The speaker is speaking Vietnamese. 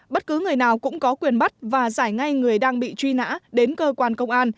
bất cứ người nào cũng có quyền bắt và giải ngay người đang bị truy nã đến cơ quan công an